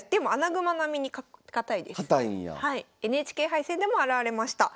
ＮＨＫ杯戦でも現れました。